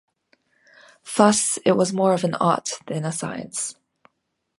Thus, it was more of an art than a science.